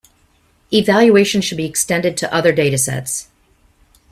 Evaluation should be extended to other datasets.